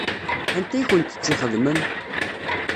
Anta i kent-tt-ixedmen?